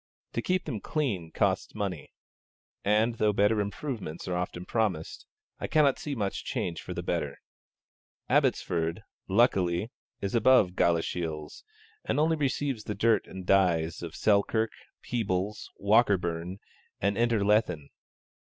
To keep them clean costs money; and, though improvements are often promised, I cannot see much change for the better. Abbotsford, luckily, is above Galashiels, and only receives the dirt and dyes of Selkirk, Peebles, Walkerburn, and Innerlethen.